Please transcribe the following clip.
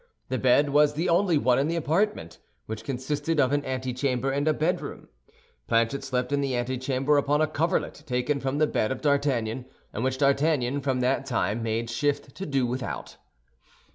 The bed was the only one in the apartment, which consisted of an antechamber and a bedroom. Planchet slept in the antechamber upon a coverlet taken from the bed of D'Artagnan, and which D'Artagnan from that time made shift to do without.